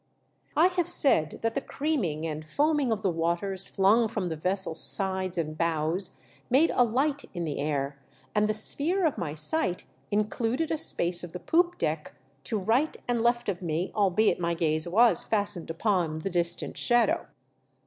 I have said that the creaming and foaming of the waters fluns: from the vessel's sides and bows made a light in the air, and the sphere of my sight included a space of the poop deck to right and left of me, albeit my gaze was fastened upon the distant shadow.